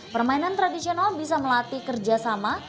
permainan tradisional bisa melatih kerjasama